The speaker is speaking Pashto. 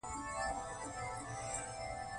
او امیر محمد یعقوب خان او سردار محمد ایوب